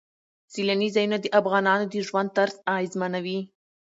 سیلانی ځایونه د افغانانو د ژوند طرز اغېزمنوي.